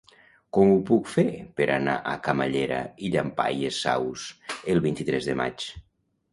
Com ho puc fer per anar a Camallera i Llampaies Saus el vint-i-tres de maig?